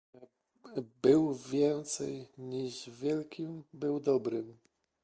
"Był więcej niż wielkim, był dobrym."